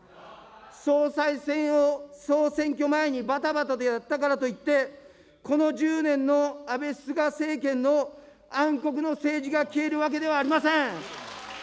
総裁選を、総選挙前にばたばたとやったからといって、この１０年の安倍・菅政権の暗黒の政治が消えるわけではありません。